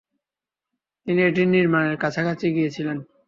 তিনি এটি নির্মাণের কাছাকাছি গিয়েছিলেন।